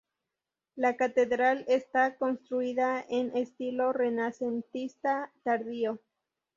La Catedral está construida en estilo renacentista tardío.